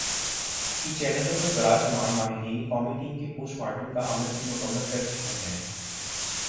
کی چینلوں پر براجمان "ماہرین" قومی ٹیم کے پوسٹ مارٹم کا عمل بھی مکمل کر چکے ہیں ۔